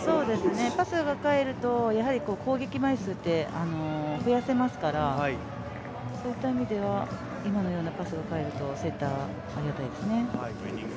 パスが返ると攻撃枚数って増やせますからそういった意味では今のようなパスが返るとセッター、ありがたいですね。